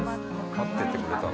待っててくれたの？